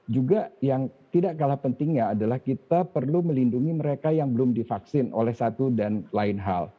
juga yang tidak kalah pentingnya adalah kita perlu melindungi mereka yang belum divaksin oleh satu dan lain hal